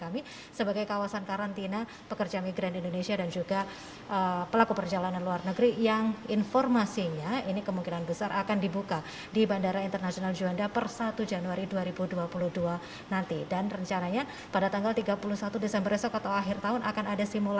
asrama haji surabaya jawa timur